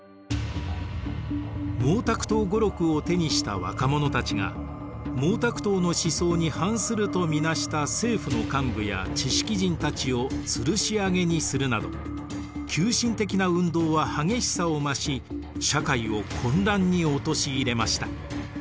「毛沢東語録」を手にした若者たちが毛沢東の思想に反すると見なした政府の幹部や知識人たちをつるし上げにするなど急進的な運動は激しさを増し社会を混乱に陥れました。